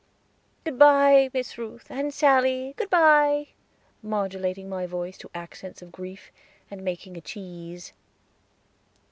"Good by, Miss Ruth, and Sally, good by," modulating my voice to accents of grief, and making a "cheese."